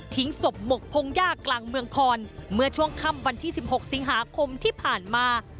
ศพหมกพงยากกลางเมืองคอนเมื่อช่วงค่ำวันที่๑๖สิงหาคมที่ผ่านมา